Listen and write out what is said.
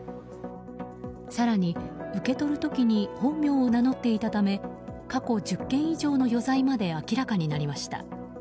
更に、受け取る時に本名を名乗っていたため過去１０件以上の余罪まで明らかになりました。